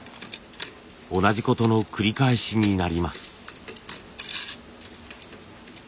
同じことの繰り返しになります。